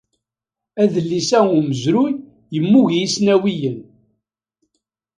Adlis-a umezruy yemmug i isnawiyen.